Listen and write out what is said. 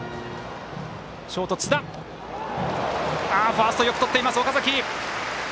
ファーストよくとっています、岡崎。